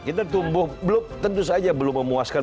kita tumbuh belum tentu saja belum memuaskan